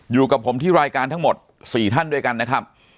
อยู่กับผมที่รายการทั้งหมด๔ท่านด้วยกันนะครับ